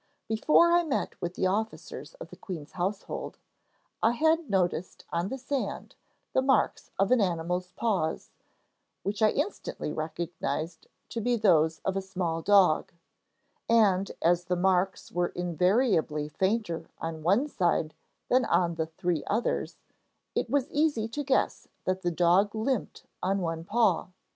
Before I met with the officers of the queen's household I had noticed on the sand the marks of an animal's paws, which I instantly recognised to be those of a small dog; and as the marks were invariably fainter on one side than on the three others, it was easy to guess that the dog limped on one paw.